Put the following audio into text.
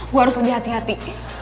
gue harus lebih hati hati